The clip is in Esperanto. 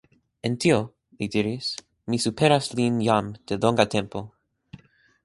En tio, li diris, mi superas lin jam de longa tempo.